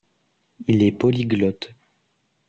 Il est polyglotte.